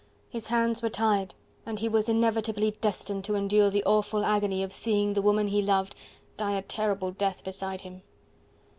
His hands were tied, and he was inevitably destined to endure the awful agony of seeing the woman he loved die a terrible death beside him.